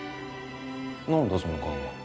何だその顔は。